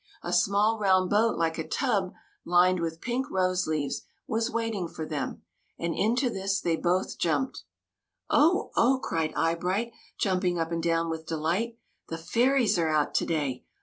A small round boat like a tub, lined with pink rose leaves, was waiting for them; and into this they both jumped. '' Oh, oh !" cried Eyebright, jumping up and down with delight. ''The fairies are out to day!